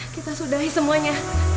kita sudahi semuanya